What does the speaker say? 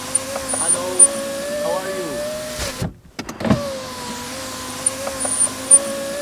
The left was mostly unified behind city councillor Jack Layton.